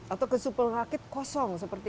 atau kesupermaket kosong seperti